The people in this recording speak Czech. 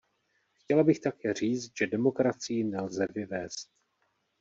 Chtěla bych také říct, že demokracii nelze vyvézt.